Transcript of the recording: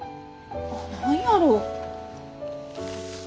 何やろう？